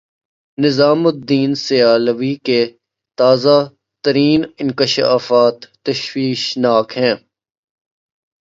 نظام الدین سیالوی کے تازہ ترین انکشافات تشویشناک ہیں۔